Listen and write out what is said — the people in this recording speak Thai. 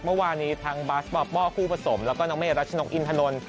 เมื่อวานนี้ทั้งบาสปอร์ป้อคู่ผสมแล้วก็น้องเมรัชนกอินทนนท์